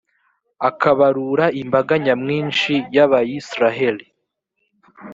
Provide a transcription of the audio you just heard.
akabarura imbaga nyamwinshi y’abayisraheli?